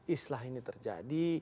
islah ini terjadi